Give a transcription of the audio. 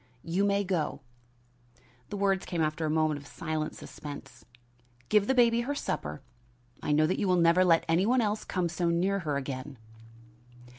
"You may go." The words came after a moment of silent suspense. "Give the baby her supper I know that you will never let any one else come so near her again."